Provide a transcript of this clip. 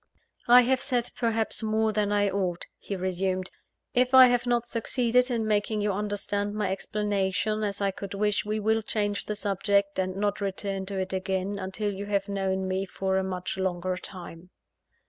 "I have said perhaps more than I ought," he resumed. "If I have not succeeded in making you understand my explanation as I could wish, we will change the subject, and not return to it again, until you have known me for a much longer time."